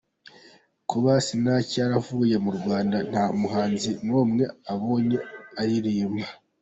Kuba Sinach yaravuye mu Rwanda nta muhanzi n’umwe abonye aririmba